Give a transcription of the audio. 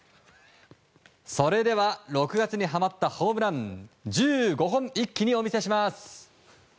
それでは６月に放ったホームラン１５本一気にお見せします！